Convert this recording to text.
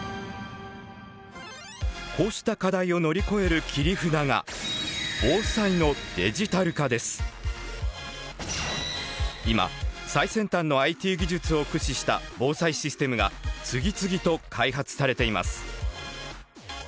こうした課題を乗り越える切り札が今最先端のＩＴ技術を駆使した防災システムが次々と開発されています。